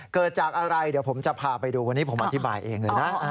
เกิดจากอะไรเดี๋ยวผมจะพาไปดูวันนี้ผมอธิบายเองเลยนะ